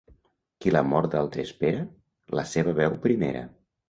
Qui la mort d'altre espera, la seva veu primera.